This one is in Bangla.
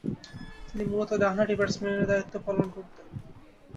তিনি মূলতঃ ডানহাতি ব্যাটসম্যানের দায়িত্ব পালন করতেন।